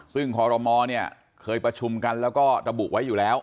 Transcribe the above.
ซึ่งคอรมอเนี่ยเคยประชุมกันแล้วก็ระบุไว้อยู่แล้ว